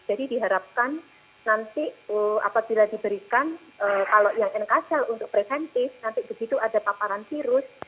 jadi diharapkan nanti apabila diberikan kalau yang nk cell untuk preventif nanti begitu ada paparan virus